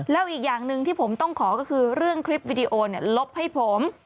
แล้วอีกอย่างหนึ่งที่ผมต้องขอก็คือเรื่องคลิปวิดีโอลบให้ผม